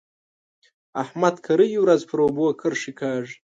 احمد کرۍ ورځ پر اوبو کرښې کاږي.